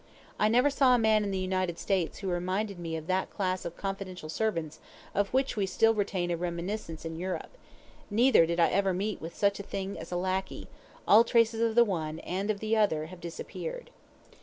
I never saw a man in the United States who reminded me of that class of confidential servants of which we still retain a reminiscence in Europe, neither did I ever meet with such a thing as a lackey: all traces of the one and of the other have disappeared.